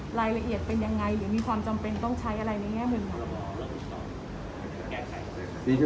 รายละเอียดเป็นยังไงหรือมีความจำเป็นต้องใช้อะไรในแง่มุมพรบ